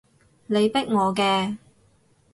你逼我嘅